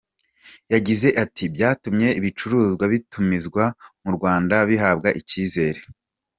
Yagize ati “Byatumye ibicuruzwa bitumizwa mu Rwanda bihabwa icyizere.